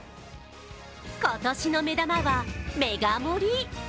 今年の目玉は、メガ盛り。